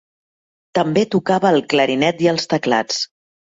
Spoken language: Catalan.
També tocava el clarinet i els teclats.